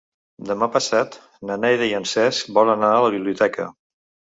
Demà passat na Neida i en Cesc volen anar a la biblioteca.